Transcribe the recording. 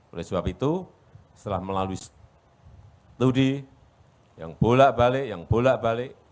oleh sebab itu setelah melalui studi yang bolak balik yang bolak balik